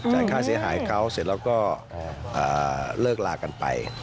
ค่าเสียหายเขาเสร็จแล้วก็เลิกลากันไป